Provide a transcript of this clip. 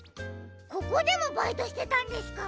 ここでもバイトしてたんですか？